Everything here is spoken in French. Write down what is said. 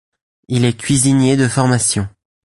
Il est cuisinier de formation.